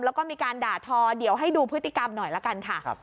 แล้วก็มีการด่าทอเดี๋ยวให้ดูพฤติกรรมหน่อยละกันค่ะ